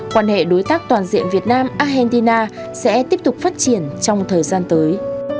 quan hệ đối tác toàn diện việt nam argentina sẽ tiếp tục phát triển trong thời gian tới